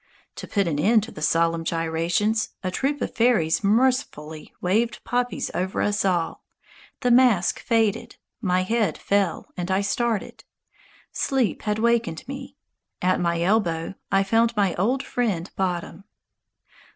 To put an end to the solemn gyrations, a troop of fairies mercifully waved poppies over us all, the masque faded, my head fell, and I started. Sleep had wakened me. At my elbow I found my old friend Bottom.